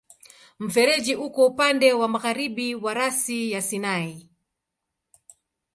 Mfereji uko upande wa magharibi wa rasi ya Sinai.